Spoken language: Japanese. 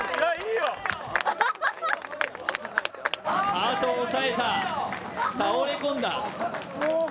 あと押さえた、倒れ込んだ。